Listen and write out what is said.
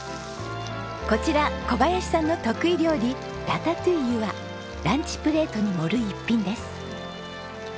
こちら小林さんの得意料理ラタトゥイユはランチプレートに盛る一品です。